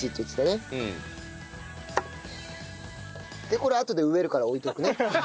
でこれあとで植えるから置いとくね。